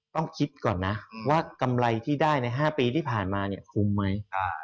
ต้องคิดก่อนนะว่ากำไรที่ได้ใน๕ปีที่ผ่านมาเนี่ยคุ้มไหม